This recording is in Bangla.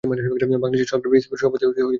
বাংলাদেশ সরকার বিসিবি’র সভাপতি নিয়োগ করে থাকেন।